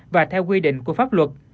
và theo quy định của pháp luật